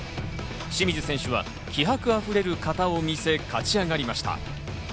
清水選手は気迫溢れる形を見せ、この後も勝ち上がりました。